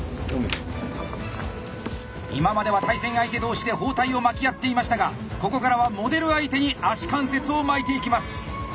今までは対戦相手同士で包帯を巻き合っていましたがここからはモデル相手に足関節を巻いていきます。